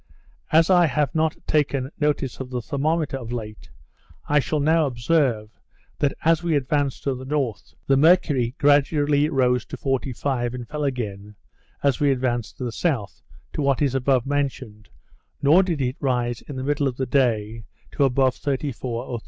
As I have not taken notice of the thermometer of late, I shall now observe, that, as we advanced to the north, the mercury gradually rose to 45, and fell again, as we advanced to the south, to what is above mentioned; nor did it rise, in the middle of the day, to above 34 or 35.